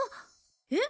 えっ？